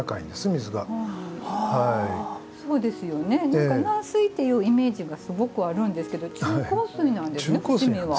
何か軟水っていうイメージがすごくあるんですけど中硬水なんですね伏見は。